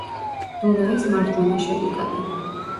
დუნაის მარჯვენა შენაკადი.